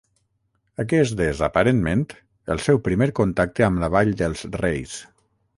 Aquest és, aparentment, el seu primer contacte amb la Vall dels Reis.